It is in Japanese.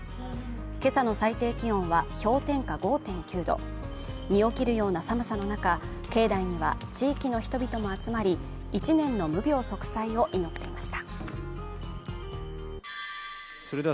今朝の最低気温は氷点下５．９度身を切るような寒さの中境内には地域の人々も集まり１年の無病息災を祈っていました